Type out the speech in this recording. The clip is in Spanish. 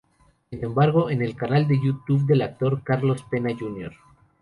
Sin embargo en el canal de Youtube del actor Carlos Pena Jr.